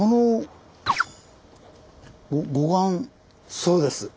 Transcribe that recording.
そうです。